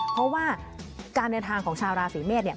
เพราะว่าการเดินทางของชาวราศีเมษเนี่ย